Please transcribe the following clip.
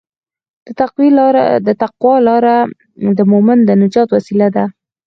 د تقوی لاره د مؤمن د نجات وسیله ده.